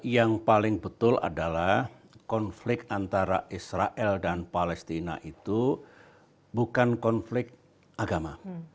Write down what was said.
yang paling betul adalah konflik antara israel dan palestina itu bukan konflik agama